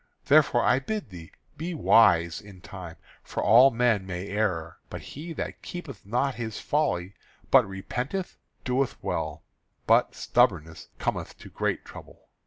Therefore I bid thee be wise in time. For all men may err; but he that keepeth not his folly, but repenteth, doeth well; but stubbornness cometh to great trouble."